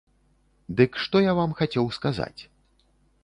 Дык што я вам хацеў сказаць.